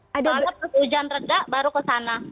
pada waktu hujan reda baru ke sana